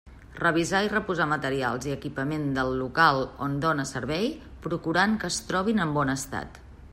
Revisar i reposar materials i equipament del local on dóna servei, procurant que es trobin en bon estat.